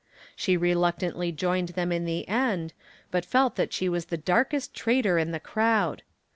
She reluctantly joined them in the end, but felt that she was the darkest traitor in the crowd.